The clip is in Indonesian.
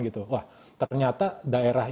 gitu wah ternyata daerah